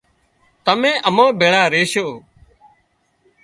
تمين امان ڀيۯا ريشو